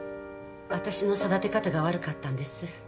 私の育て方が悪かったんです。